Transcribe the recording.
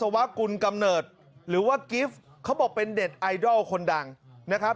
วกุลกำเนิดหรือว่ากิฟต์เขาบอกเป็นเด็ดไอดอลคนดังนะครับ